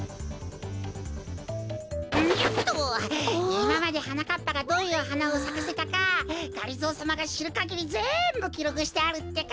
いままではなかっぱがどういうはなをさかせたかがりぞーさまがしるかぎりぜんぶきろくしてあるってか！